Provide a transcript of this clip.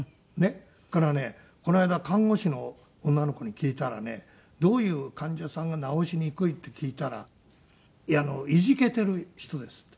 それからねこの間看護師の女の子に聞いたらね「どういう患者さんが治しにくい？」って聞いたら「いじけている人です」って。